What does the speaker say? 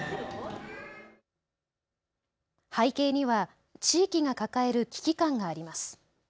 背景には地域が抱える危機感があります。